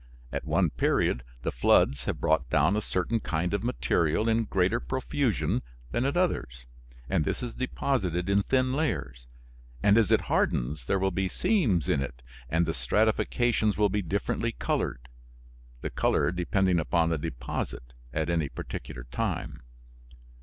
At one period the floods have brought down a certain kind of material in greater profusion than at others, and this is deposited in thin layers, and as it hardens there will be seams in it and the stratifications will be differently colored, the color depending upon the deposit at any particular time.